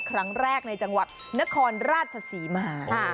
ครั้งแรกในจังหวัดนครราชศรีมา